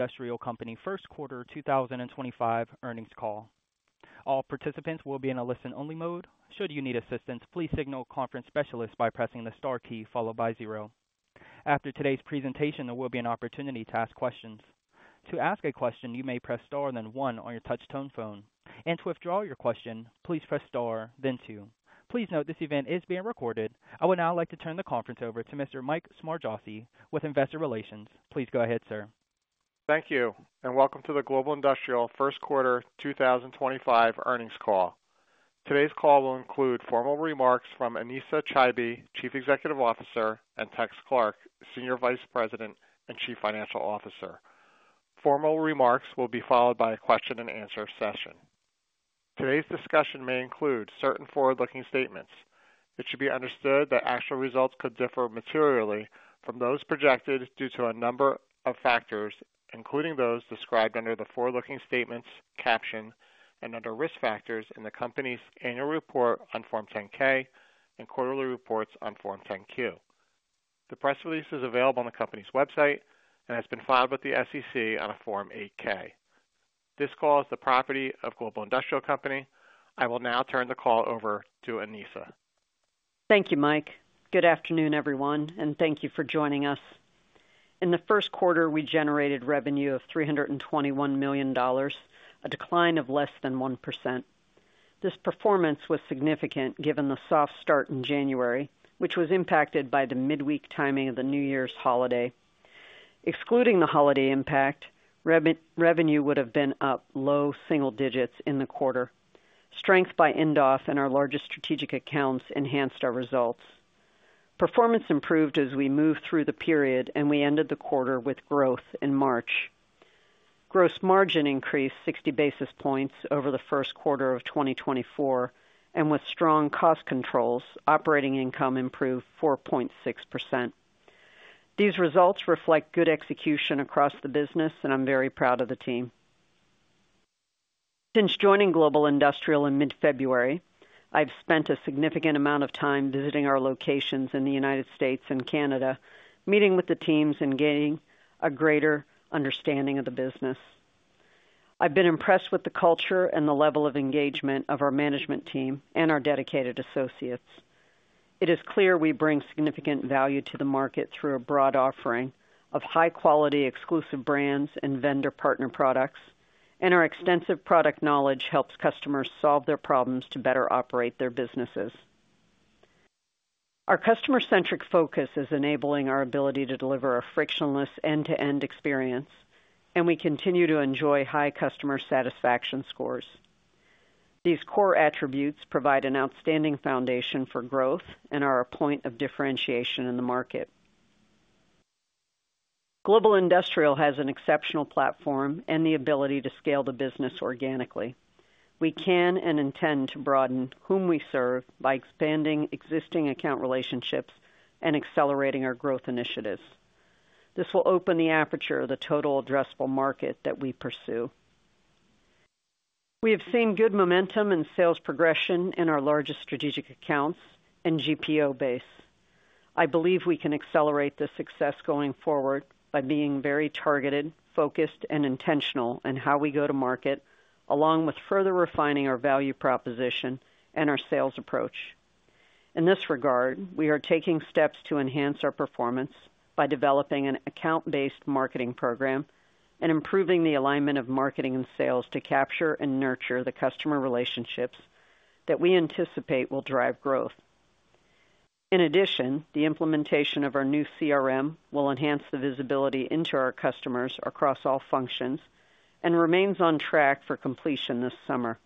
Industrial Company first quarter 2025 earnings call. All participants will be in a listen-only mode. Should you need assistance, please signal conference specialists by pressing the star key followed by zero. After today's presentation, there will be an opportunity to ask questions. To ask a question, you may press star then one on your touch-tone phone. To withdraw your question, please press star then two. Please note this event is being recorded. I would now like to turn the conference over to Mr. Mike Smargiassi with investor relations. Please go ahead, sir. Thank you, and welcome to the Global Industrial First Quarter 2025 Earnings Call. Today's call will include formal remarks from Anesa Chaibi, Chief Executive Officer, and Tex Clark, Senior Vice President and Chief Financial Officer. Formal remarks will be followed by a question-and-answer session. Today's discussion may include certain forward-looking statements. It should be understood that actual results could differ materially from those projected due to a number of factors, including those described under the forward-looking statements caption and under risk factors in the company's annual report on Form 10-K and quarterly reports on Form 10-Q. The press release is available on the company's website and has been filed with the SEC on a Form 8-K. This call is the property of Global Industrial Company. I will now turn the call over to Anesa. Thank you, Mike. Good afternoon, everyone, and thank you for joining us. In the first quarter, we generated revenue of $321 million, a decline of less than 1%. This performance was significant given the soft start in January, which was impacted by the midweek timing of the New Year's holiday. Excluding the holiday impact, revenue would have been up low single digits in the quarter. Strength by Endries and our largest strategic accounts enhanced our results. Performance improved as we moved through the period, and we ended the quarter with growth in March. Gross margin increased 60 basis points over the first quarter of 2024, and with strong cost controls, operating income improved 4.6%. These results reflect good execution across the business, and I'm very proud of the team. Since joining Global Industrial in mid-February, I've spent a significant amount of time visiting our locations in the United States and Canada, meeting with the teams and gaining a greater understanding of the business. I've been impressed with the culture and the level of engagement of our management team and our dedicated associates. It is clear we bring significant value to the market through a broad offering of high-quality exclusive brands and vendor partner products, and our extensive product knowledge helps customers solve their problems to better operate their businesses. Our customer-centric focus is enabling our ability to deliver a frictionless end-to-end experience, and we continue to enjoy high customer satisfaction scores. These core attributes provide an outstanding foundation for growth and are a point of differentiation in the market. Global Industrial has an exceptional platform and the ability to scale the business organically. We can and intend to broaden whom we serve by expanding existing account relationships and accelerating our growth initiatives. This will open the aperture of the total addressable market that we pursue. We have seen good momentum and sales progression in our largest strategic accounts and GPO base. I believe we can accelerate this success going forward by being very targeted, focused, and intentional in how we go to market, along with further refining our value proposition and our sales approach. In this regard, we are taking steps to enhance our performance by developing an account-based marketing program and improving the alignment of marketing and sales to capture and nurture the customer relationships that we anticipate will drive growth. In addition, the implementation of our new CRM will enhance the visibility into our customers across all functions and remains on track for completion this summer.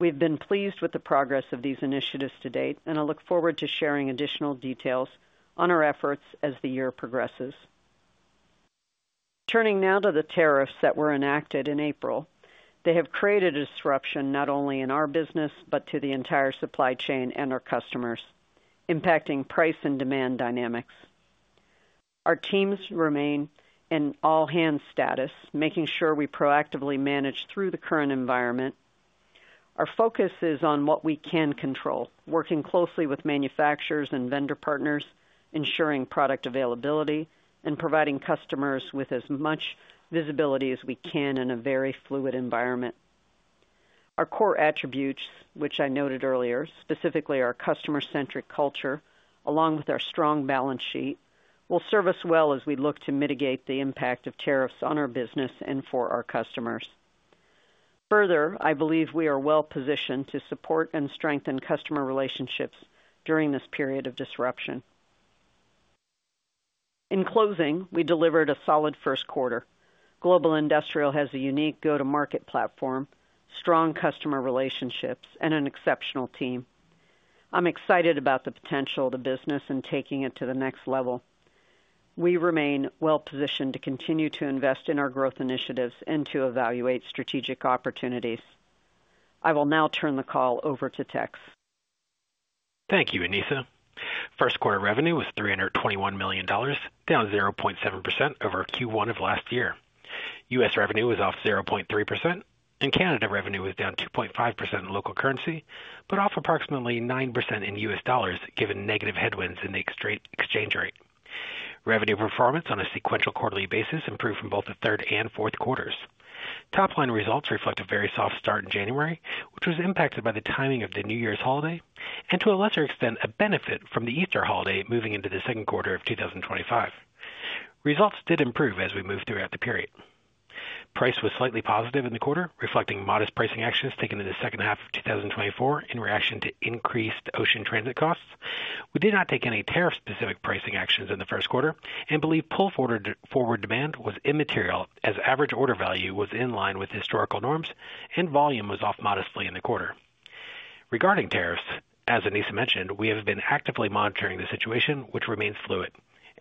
We've been pleased with the progress of these initiatives to date, and I look forward to sharing additional details on our efforts as the year progresses. Turning now to the tariffs that were enacted in April, they have created a disruption not only in our business but to the entire supply chain and our customers, impacting price and demand dynamics. Our teams remain in all-hands status, making sure we proactively manage through the current environment. Our focus is on what we can control, working closely with manufacturers and vendor partners, ensuring product availability, and providing customers with as much visibility as we can in a very fluid environment. Our core attributes, which I noted earlier, specifically our customer-centric culture, along with our strong balance sheet, will serve us well as we look to mitigate the impact of tariffs on our business and for our customers. Further, I believe we are well positioned to support and strengthen customer relationships during this period of disruption. In closing, we delivered a solid first quarter. Global Industrial has a unique go-to-market platform, strong customer relationships, and an exceptional team. I'm excited about the potential of the business and taking it to the next level. We remain well positioned to continue to invest in our growth initiatives and to evaluate strategic opportunities. I will now turn the call over to Tex. Thank you, Anesa. First quarter revenue was $321 million, down 0.7% over Q1 of last year. US revenue was off 0.3%, and Canada revenue was down 2.5% in local currency but off approximately 9% in US dollars given negative headwinds in the exchange rate. Revenue performance on a sequential quarterly basis improved from both the third and fourth quarters. Top-line results reflect a very soft start in January, which was impacted by the timing of the New Year's holiday and, to a lesser extent, a benefit from the Easter holiday moving into the second quarter of 2025. Results did improve as we moved throughout the period. Price was slightly positive in the quarter, reflecting modest pricing actions taken in the second half of 2024 in reaction to increased ocean transit costs. We did not take any tariff-specific pricing actions in the first quarter and believe pull-forward demand was immaterial as average order value was in line with historical norms and volume was off modestly in the quarter. Regarding tariffs, as Anesa mentioned, we have been actively monitoring the situation, which remains fluid,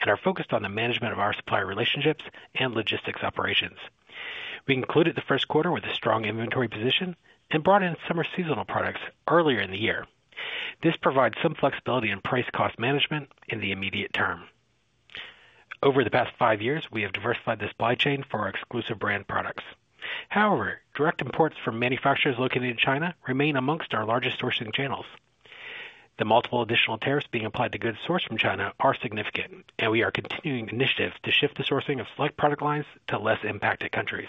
and are focused on the management of our supplier relationships and logistics operations. We concluded the first quarter with a strong inventory position and brought in summer seasonal products earlier in the year. This provides some flexibility in price-cost management in the immediate term. Over the past five years, we have diversified the supply chain for our exclusive brand products. However, direct imports from manufacturers located in China remain amongst our largest sourcing channels. The multiple additional tariffs being applied to goods sourced from China are significant, and we are continuing initiatives to shift the sourcing of select product lines to less impacted countries.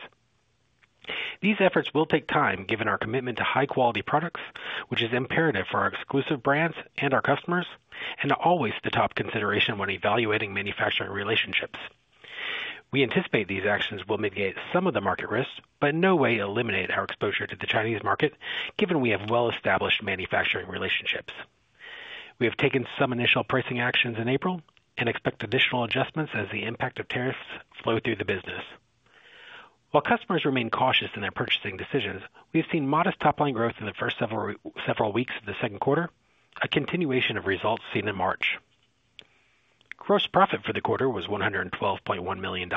These efforts will take time given our commitment to high-quality products, which is imperative for our exclusive brands and our customers, and are always the top consideration when evaluating manufacturing relationships. We anticipate these actions will mitigate some of the market risks but in no way eliminate our exposure to the Chinese market, given we have well-established manufacturing relationships. We have taken some initial pricing actions in April and expect additional adjustments as the impact of tariffs flow through the business. While customers remain cautious in their purchasing decisions, we have seen modest top-line growth in the first several weeks of the second quarter, a continuation of results seen in March. Gross profit for the quarter was $112.1 million.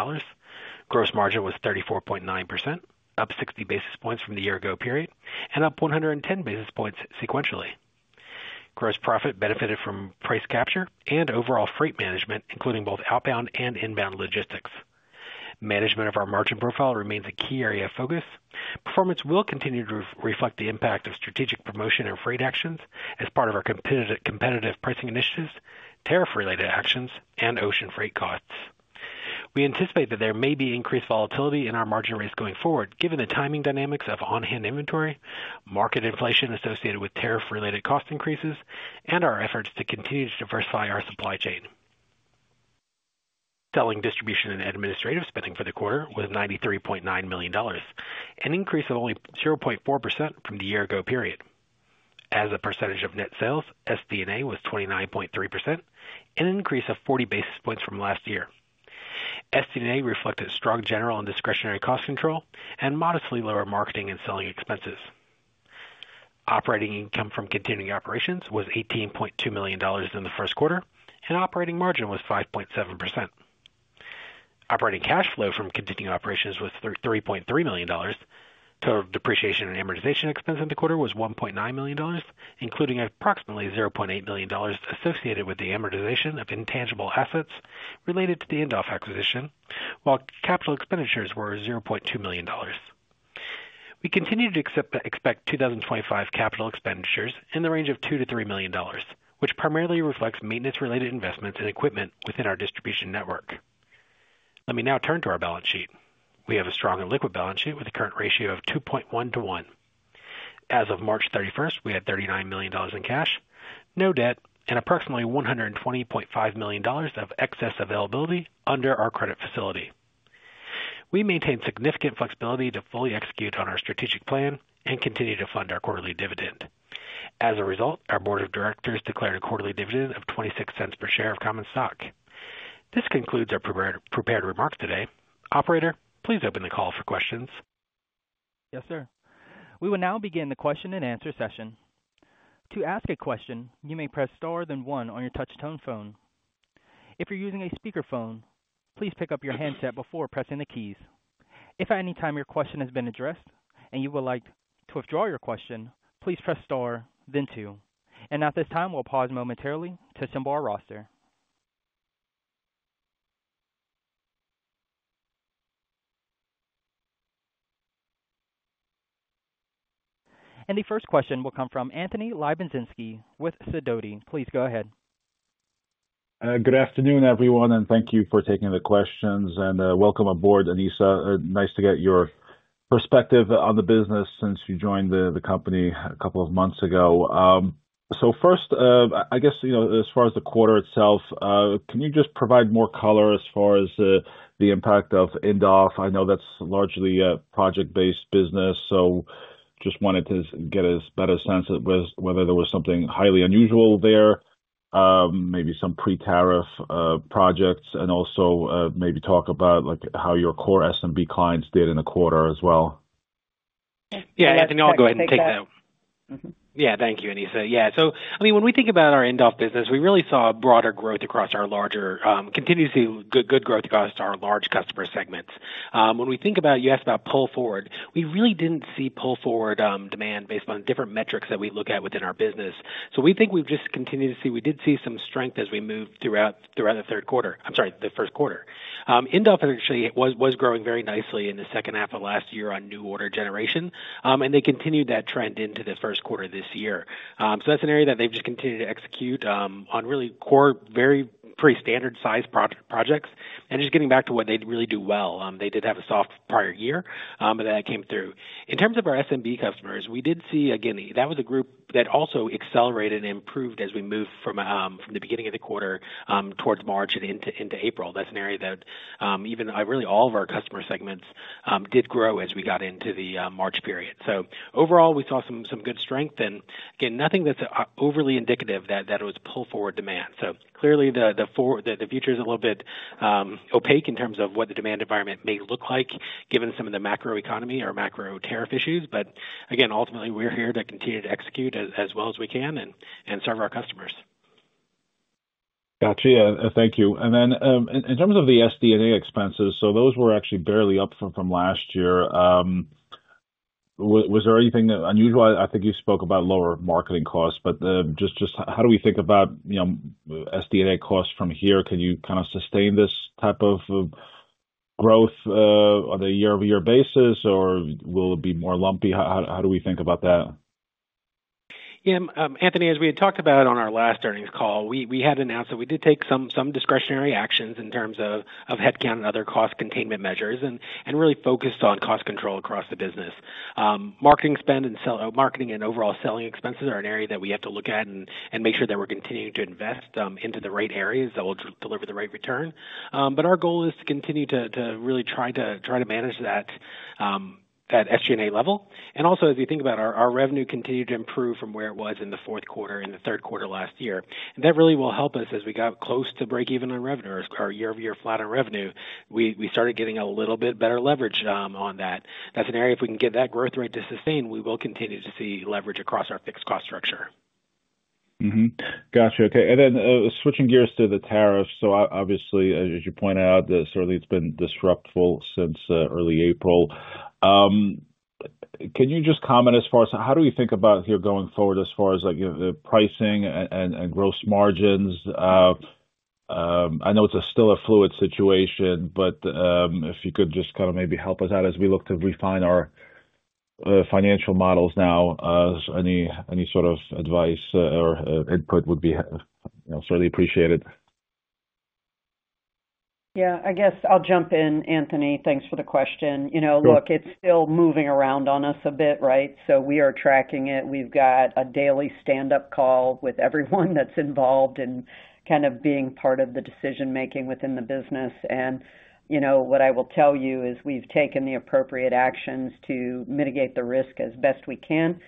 Gross margin was 34.9%, up 60 basis points from the year-ago period and up 110 basis points sequentially. Gross profit benefited from price capture and overall freight management, including both outbound and inbound logistics. Management of our margin profile remains a key area of focus. Performance will continue to reflect the impact of strategic promotion and freight actions as part of our competitive pricing initiatives, tariff-related actions, and ocean freight costs. We anticipate that there may be increased volatility in our margin rates going forward, given the timing dynamics of on-hand inventory, market inflation associated with tariff-related cost increases, and our efforts to continue to diversify our supply chain. Selling, distribution, and administrative spending for the quarter was $93.9 million, an increase of only 0.4% from the year-ago period. As a percentage of net sales, SD&A was 29.3%, an increase of 40 basis points from last year. SD&A reflected strong general and discretionary cost control and modestly lower marketing and selling expenses. Operating income from continuing operations was $18.2 million in the first quarter, and operating margin was 5.7%. Operating cash flow from continuing operations was $3.3 million. Total depreciation and amortization expense in the quarter was $1.9 million, including approximately $0.8 million associated with the amortization of intangible assets related to the Endries acquisition, while capital expenditures were $0.2 million. We continue to expect 2025 capital expenditures in the range of $2 million-$3 million, which primarily reflects maintenance-related investments in equipment within our distribution network. Let me now turn to our balance sheet. We have a strong and liquid balance sheet with a current ratio of 2.1 to 1. As of March 31, we had $39 million in cash, no debt, and approximately $120.5 million of excess availability under our credit facility. We maintain significant flexibility to fully execute on our strategic plan and continue to fund our quarterly dividend. As a result, our board of directors declared a quarterly dividend of $0.26 per share of common stock. This concludes our prepared remarks today. Operator, please open the call for questions. Yes, sir. We will now begin the question-and-answer session. To ask a question, you may press star then one on your touch-tone phone. If you're using a speakerphone, please pick up your handset before pressing the keys. If at any time your question has been addressed and you would like to withdraw your question, please press star then two. At this time, we'll pause momentarily to assemble our roster. The first question will come from Anthony Lebiedzinski with Sidoti. Please go ahead. Good afternoon, everyone, and thank you for taking the questions. Welcome aboard, Anesa. Nice to get your perspective on the business since you joined the company a couple of months ago. First, I guess as far as the quarter itself, can you just provide more color as far as the impact of Indoff? I know that's largely a project-based business, so just wanted to get a better sense of whether there was something highly unusual there, maybe some pre-tariff projects, and also maybe talk about how your core S&B clients did in the quarter as well. Yeah, Anthony, I'll go ahead and take that. Yeah, thank you, Anesa. Yeah. I mean, when we think about our Endries business, we really saw broader growth across our larger, continuously good growth across our large customer segments. When we think about you asked about pull-forward, we really didn't see pull-forward demand based on different metrics that we look at within our business. We think we've just continued to see we did see some strength as we moved throughout the third quarter. I'm sorry, the first quarter. Endries actually was growing very nicely in the second half of last year on new order generation, and they continued that trend into the first quarter this year. That's an area that they've just continued to execute on really core, very pretty standard-sized projects and just getting back to what they really do well. They did have a soft prior year, but that came through. In terms of our S&B customers, we did see, again, that was a group that also accelerated and improved as we moved from the beginning of the quarter towards March and into April. That is an area that even really all of our customer segments did grow as we got into the March period. Overall, we saw some good strength, and again, nothing that is overly indicative that it was pull-forward demand. Clearly, the future is a little bit opaque in terms of what the demand environment may look like given some of the macroeconomy or macro tariff issues. Again, ultimately, we are here to continue to execute as well as we can and serve our customers. Gotcha. Yeah, thank you. In terms of the SD&A expenses, those were actually barely up from last year. Was there anything unusual? I think you spoke about lower marketing costs, but just how do we think about SD&A costs from here? Can you kind of sustain this type of growth on a year-over-year basis, or will it be more lumpy? How do we think about that? Yeah, Anthony, as we had talked about on our last earnings call, we had announced that we did take some discretionary actions in terms of headcount and other cost containment measures and really focused on cost control across the business. Marketing spend and overall selling expenses are an area that we have to look at and make sure that we're continuing to invest into the right areas that will deliver the right return. Our goal is to continue to really try to manage that SD&A level. Also, as you think about our revenue continued to improve from where it was in the fourth quarter and the third quarter last year. That really will help us as we got close to break-even on revenue, our year-over-year flat on revenue. We started getting a little bit better leverage on that. That's an area if we can get that growth rate to sustain, we will continue to see leverage across our fixed cost structure. Gotcha. Okay. Switching gears to the tariffs. Obviously, as you point out, that certainly has been disruptful since early April. Can you just comment as far as how do we think about here going forward as far as pricing and gross margins? I know it is still a fluid situation, but if you could just kind of maybe help us out as we look to refine our financial models now, any sort of advice or input would be certainly appreciated. Yeah, I guess I'll jump in, Anthony. Thanks for the question. Look, it's still moving around on us a bit, right? We are tracking it. We've got a daily stand-up call with everyone that's involved in kind of being part of the decision-making within the business. What I will tell you is we've taken the appropriate actions to mitigate the risk as best we can.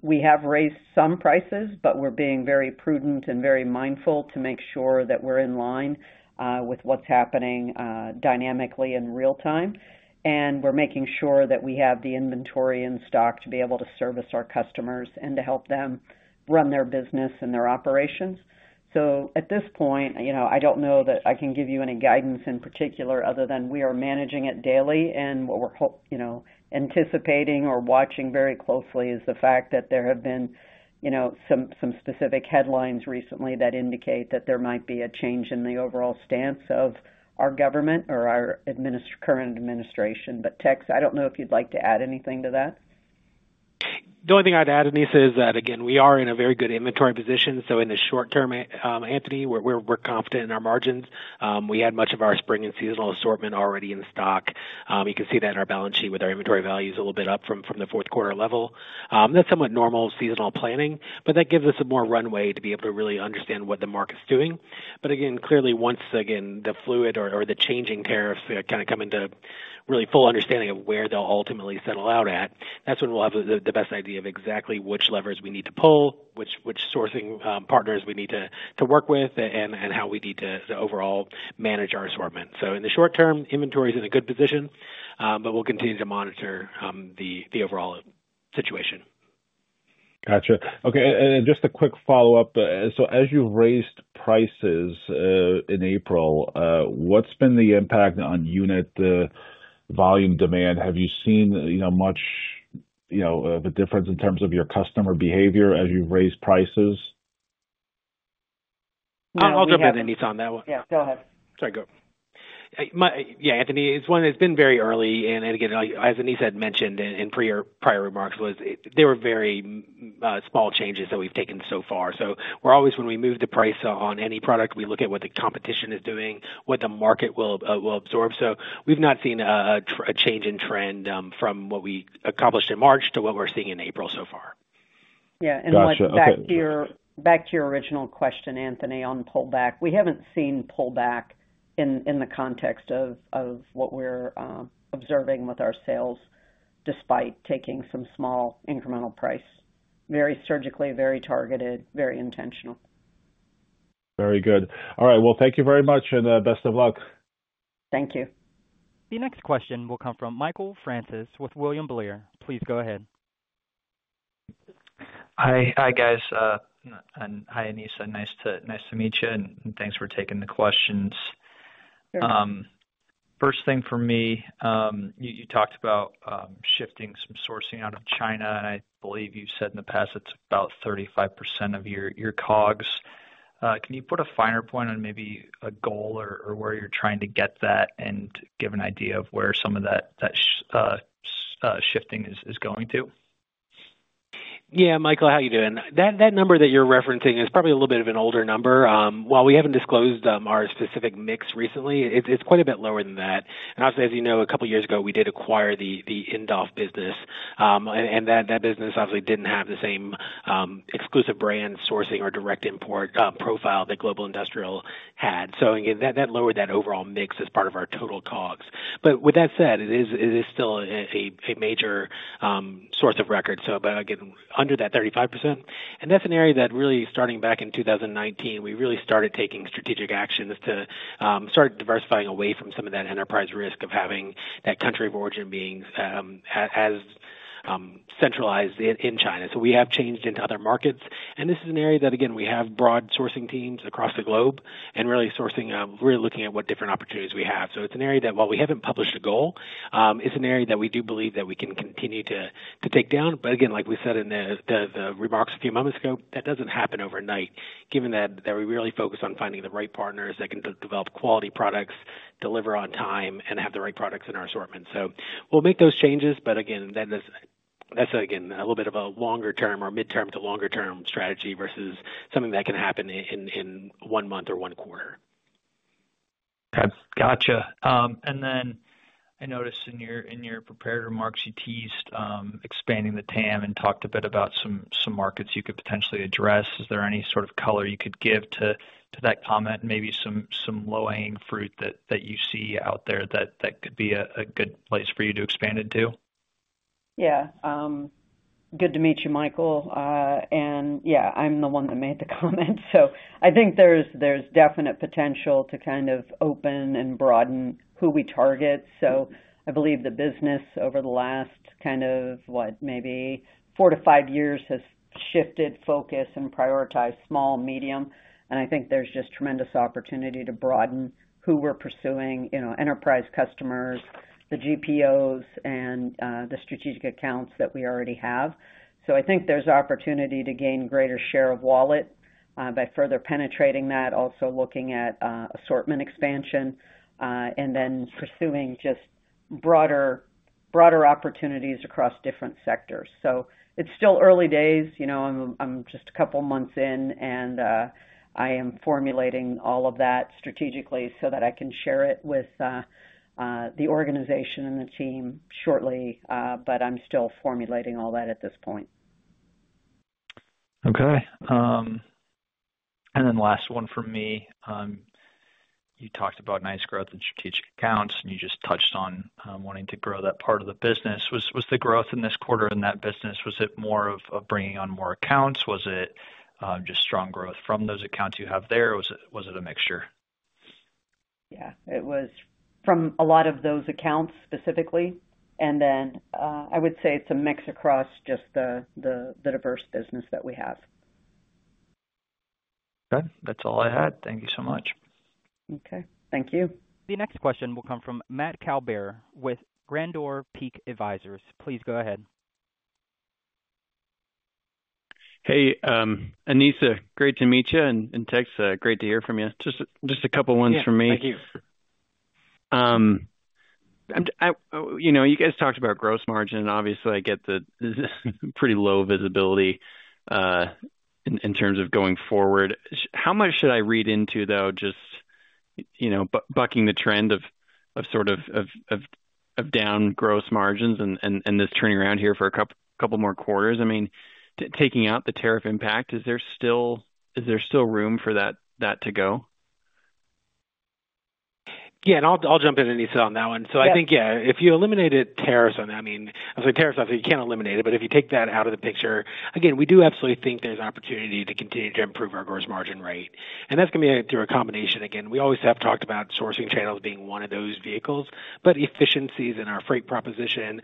We have raised some prices, but we're being very prudent and very mindful to make sure that we're in line with what's happening dynamically in real time. We're making sure that we have the inventory and stock to be able to service our customers and to help them run their business and their operations. At this point, I don't know that I can give you any guidance in particular other than we are managing it daily. What we're anticipating or watching very closely is the fact that there have been some specific headlines recently that indicate that there might be a change in the overall stance of our government or our current administration. Tex, I don't know if you'd like to add anything to that. The only thing I'd add, Anesa, is that, again, we are in a very good inventory position. In the short term, Anthony, we're confident in our margins. We had much of our spring and seasonal assortment already in stock. You can see that in our balance sheet with our inventory values a little bit up from the fourth quarter level. That's somewhat normal seasonal planning, but that gives us more runway to be able to really understand what the market's doing. Again, clearly, once the fluid or the changing tariffs come into really full understanding of where they'll ultimately settle out at, that's when we'll have the best idea of exactly which levers we need to pull, which sourcing partners we need to work with, and how we need to overall manage our assortment. In the short term, inventory is in a good position, but we'll continue to monitor the overall situation. Gotcha. Okay. Just a quick follow-up. As you've raised prices in April, what's been the impact on unit volume demand? Have you seen much of a difference in terms of your customer behavior as you've raised prices? I'll jump in, Anesa, on that one. Yeah, go ahead. Sorry, go. Yeah, Anthony, it's been very early. And again, as Anesa had mentioned in prior remarks, there were very small changes that we've taken so far. We're always, when we move the price on any product, we look at what the competition is doing, what the market will absorb. We've not seen a change in trend from what we accomplished in March to what we're seeing in April so far. Yeah. Back to your original question, Anthony, on pullback, we haven't seen pullback in the context of what we're observing with our sales despite taking some small incremental price. Very surgically, very targeted, very intentional. Very good. All right. Thank you very much and best of luck. Thank you. The next question will come from Michael Francis with William Blair. Please go ahead. Hi, guys. Hi, Anesa. Nice to meet you, and thanks for taking the questions. First thing for me, you talked about shifting some sourcing out of China, and I believe you said in the past it's about 35% of your COGS. Can you put a finer point on maybe a goal or where you're trying to get that and give an idea of where some of that shifting is going to? Yeah, Michael, how are you doing? That number that you're referencing is probably a little bit of an older number. While we haven't disclosed our specific mix recently, it's quite a bit lower than that. Obviously, as you know, a couple of years ago, we did acquire the Endries business. That business obviously didn't have the same exclusive brand sourcing or direct import profile that Global Industrial had. Again, that lowered that overall mix as part of our total COGS. With that said, it is still a major source of record. Again, under that 35%. That's an area that really, starting back in 2019, we really started taking strategic actions to start diversifying away from some of that enterprise risk of having that country of origin being as centralized in China. We have changed into other markets. This is an area that, again, we have broad sourcing teams across the globe and really sourcing, really looking at what different opportunities we have. It is an area that, while we have not published a goal, we do believe that we can continue to take down. Again, like we said in the remarks a few moments ago, that does not happen overnight, given that we really focus on finding the right partners that can develop quality products, deliver on time, and have the right products in our assortment. We will make those changes, but again, that is a little bit of a longer-term or mid-term to longer-term strategy versus something that can happen in one month or one quarter. Gotcha. I noticed in your prepared remarks, you teased expanding the TAM and talked a bit about some markets you could potentially address. Is there any sort of color you could give to that comment, maybe some low-hanging fruit that you see out there that could be a good place for you to expand into? Yeah. Good to meet you, Michael. Yeah, I'm the one that made the comment. I think there's definite potential to kind of open and broaden who we target. I believe the business over the last, what, maybe four to five years has shifted focus and prioritized small, medium. I think there's just tremendous opportunity to broaden who we're pursuing: enterprise customers, the GPOs, and the strategic accounts that we already have. I think there's opportunity to gain greater share of wallet by further penetrating that, also looking at assortment expansion, and then pursuing just broader opportunities across different sectors. It's still early days. I'm just a couple of months in, and I am formulating all of that strategically so that I can share it with the organization and the team shortly, but I'm still formulating all that at this point. Okay. Last one for me. You talked about nice growth in strategic accounts, and you just touched on wanting to grow that part of the business. Was the growth in this quarter in that business, was it more of bringing on more accounts? Was it just strong growth from those accounts you have there? Was it a mixture? Yeah. It was from a lot of those accounts specifically. I would say it's a mix across just the diverse business that we have. Okay. That's all I had. Thank you so much. Okay. Thank you. The next question will come from Matt Kaelberer with Grandeur Peak Advisors. Please go ahead. Hey, Anesa. Great to meet you, and Tex, great to hear from you. Just a couple of ones from me. Thank you. You guys talked about gross margin, and obviously, I get the pretty low visibility in terms of going forward. How much should I read into, though, just bucking the trend of sort of down gross margins and this turning around here for a couple more quarters? I mean, taking out the tariff impact, is there still room for that to go? Yeah. I'll jump in, Anesa, on that one. I think, yeah, if you eliminated tariffs on that, I mean, I was going to say tariffs, obviously, you can't eliminate it, but if you take that out of the picture, again, we do absolutely think there's an opportunity to continue to improve our gross margin rate. That's going to be through a combination, again. We always have talked about sourcing channels being one of those vehicles, but efficiencies in our freight proposition,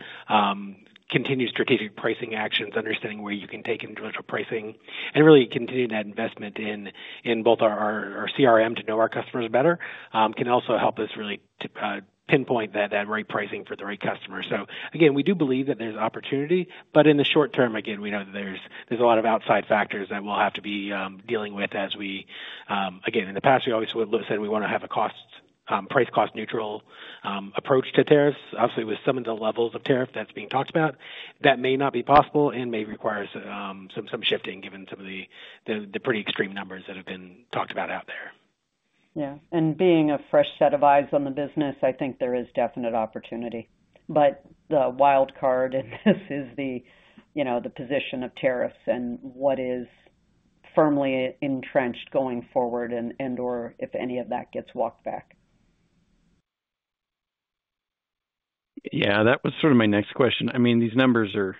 continued strategic pricing actions, understanding where you can take intellectual pricing, and really continuing that investment in both our CRM to know our customers better can also help us really pinpoint that right pricing for the right customers. Again, we do believe that there's opportunity, but in the short term, we know that there's a lot of outside factors that we'll have to be dealing with as we, again, in the past, we always said we want to have a price-cost-neutral approach to tariffs. Obviously, with some of the levels of tariff that's being talked about, that may not be possible and may require some shifting given some of the pretty extreme numbers that have been talked about out there. Yeah. Being a fresh set of eyes on the business, I think there is definite opportunity. The wild card in this is the position of tariffs and what is firmly entrenched going forward and/or if any of that gets walked back. Yeah. That was sort of my next question. I mean, these numbers are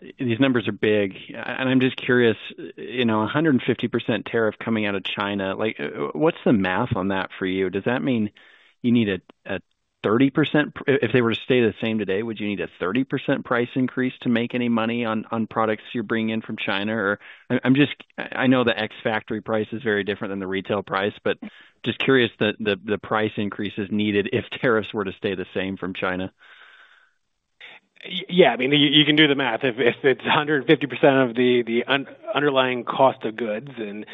big. I am just curious, 150% tariff coming out of China, what is the math on that for you? Does that mean you need a 30%? If they were to stay the same today, would you need a 30% price increase to make any money on products you are bringing in from China? I know the X factory price is very different than the retail price, but just curious the price increase is needed if tariffs were to stay the same from China. Yeah. I mean, you can do the math. If it's 150% of the underlying cost of goods and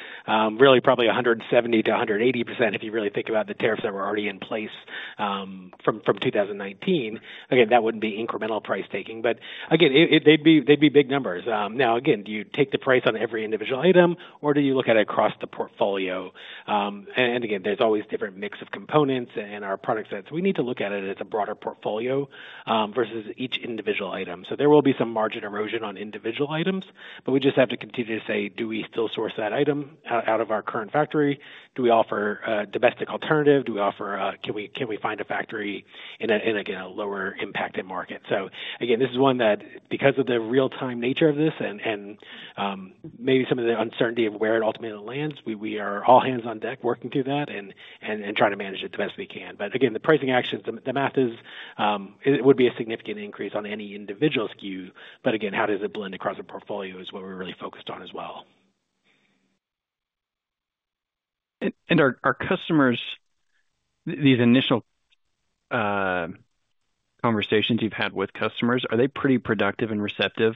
really probably 170-180% if you really think about the tariffs that were already in place from 2019, again, that wouldn't be incremental price taking. Again, they'd be big numbers. Now, do you take the price on every individual item, or do you look at it across the portfolio? Again, there's always different mix of components and our products that we need to look at it as a broader portfolio versus each individual item. There will be some margin erosion on individual items, but we just have to continue to say, do we still source that item out of our current factory? Do we offer a domestic alternative? Do we offer a—can we find a factory in, again, a lower impacted market? Again, this is one that, because of the real-time nature of this and maybe some of the uncertainty of where it ultimately lands, we are all hands on deck working through that and trying to manage it the best we can. Again, the pricing actions, the math is it would be a significant increase on any individual SKU, but again, how does it blend across the portfolio is what we're really focused on as well. Are customers, these initial conversations you've had with customers, pretty productive and receptive,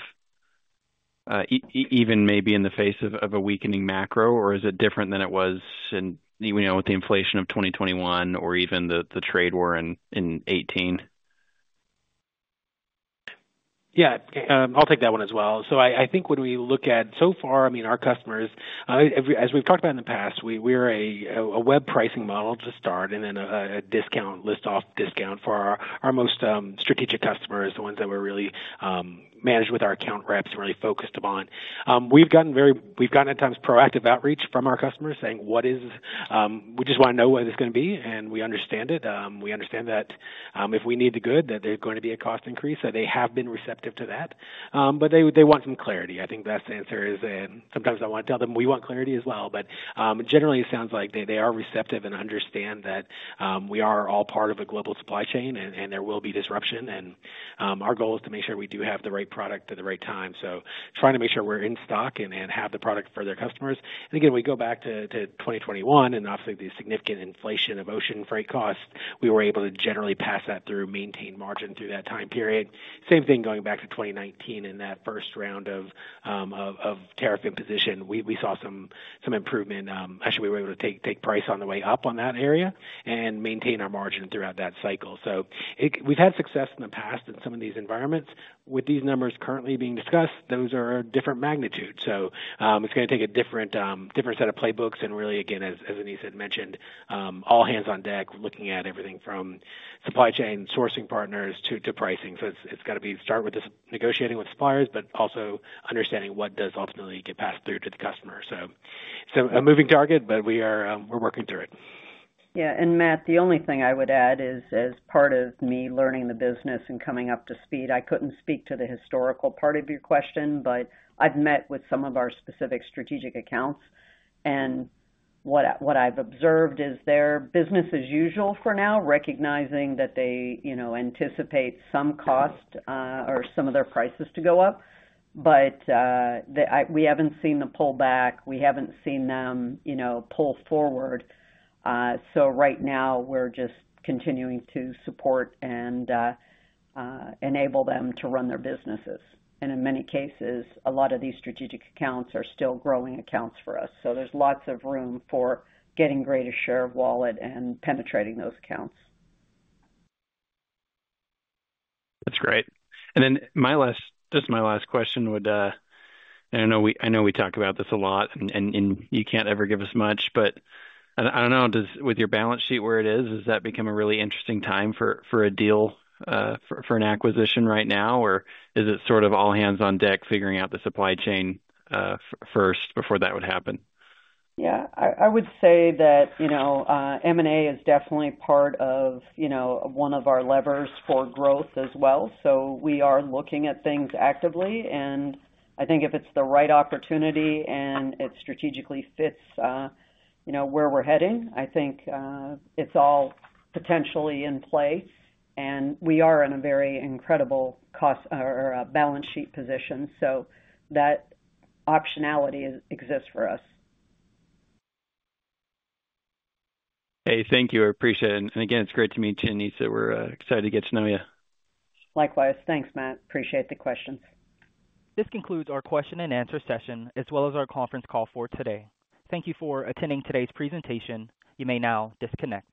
even maybe in the face of a weakening macro, or is it different than it was with the inflation of 2021 or even the trade war in 2018? Yeah. I'll take that one as well. I think when we look at so far, I mean, our customers, as we've talked about in the past, we're a web pricing model to start and then a list-off discount for our most strategic customers, the ones that we're really managed with our account reps and really focused upon. We've gotten at times proactive outreach from our customers saying, "What is—we just want to know what it's going to be, and we understand it. We understand that if we need the good, that there's going to be a cost increase." They have been receptive to that, but they want some clarity. I think that's the answer is. Sometimes I want to tell them, "We want clarity as well." Generally, it sounds like they are receptive and understand that we are all part of a global supply chain and there will be disruption. Our goal is to make sure we do have the right product at the right time. Trying to make sure we're in stock and have the product for their customers. Again, we go back to 2021 and obviously the significant inflation of ocean freight costs, we were able to generally pass that through, maintain margin through that time period. The same thing going back to 2019 in that first round of tariff imposition. We saw some improvement. Actually, we were able to take price on the way up on that area and maintain our margin throughout that cycle. We have had success in the past in some of these environments. With these numbers currently being discussed, those are different magnitudes. It is going to take a different set of playbooks and really, again, as Anesa had mentioned, all hands on deck looking at everything from supply chain sourcing partners to pricing. It has to start with negotiating with suppliers, but also understanding what does ultimately get passed through to the customer. A moving target, but we are working through it. Yeah. Matt, the only thing I would add is as part of me learning the business and coming up to speed, I could not speak to the historical part of your question, but I have met with some of our specific strategic accounts. What I have observed is their business as usual for now, recognizing that they anticipate some cost or some of their prices to go up, but we have not seen them pull back. We have not seen them pull forward. Right now, we are just continuing to support and enable them to run their businesses. In many cases, a lot of these strategic accounts are still growing accounts for us. There is lots of room for getting greater share of wallet and penetrating those accounts. That's great. Then just my last question would—I know we talk about this a lot and you can't ever give us much, but I don't know, with your balance sheet where it is, has that become a really interesting time for a deal for an acquisition right now, or is it sort of all hands on deck figuring out the supply chain first before that would happen? Yeah. I would say that M&A is definitely part of one of our levers for growth as well. We are looking at things actively. I think if it's the right opportunity and it strategically fits where we're heading, I think it's all potentially in play. We are in a very incredible balance sheet position. That optionality exists for us. Thank you. I appreciate it. Again, it's great to meet you, Anesa. We're excited to get to know you. Likewise. Thanks, Matt. Appreciate the questions. This concludes our question and answer session as well as our conference call for today. Thank you for attending today's presentation. You may now disconnect.